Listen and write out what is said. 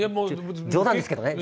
冗談ですけどね